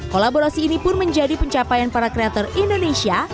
kolaborasi ini pun menjadi pencapaian para kreator indonesia